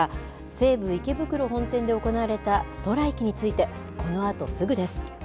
西武池袋本店で行われたストライキについてこのあとすぐです。